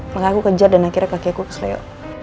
makanya aku kejar dan akhirnya kakekku usleyo